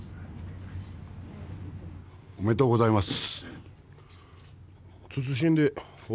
おめでとうございます。